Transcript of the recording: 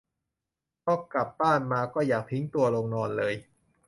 พอกลับบ้านมาก็อยากทิ้งตัวลงนอนเลย